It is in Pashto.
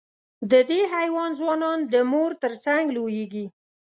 د دې حیوان ځوانان د مور تر څنګ لویېږي.